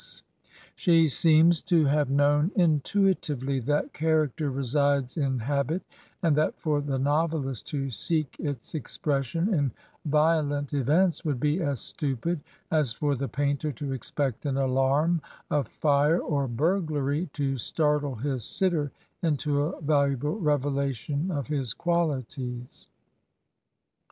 She seems to have 40 Digitized by VjOOQIC JANE AUSTEN'S ELIZABETH BENNET known intuitively that character resides in habit, and that for the noveUst to seek its expression in violent events would be as stupid as for the painter to expect an alarm of fire or burglary to startle his sitter into a valu able revelation of his quaUties.